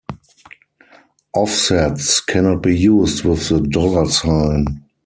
Offsets cannot be used with the dollar sign.